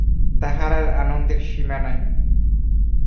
তাহার আর আনন্দের সীমা নাই।